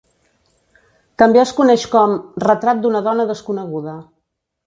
També es coneix com "Retrat d'una dona desconeguda".